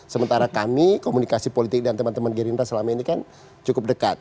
sementara kami komunikasi politik dan teman teman gerindra selama ini kan cukup dekat